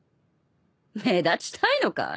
目立ちたいのかい？